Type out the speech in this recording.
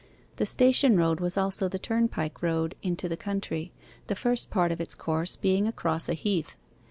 The station road was also the turnpike road into the country, the first part of its course being across a heath.